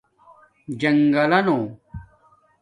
جنگلہ نو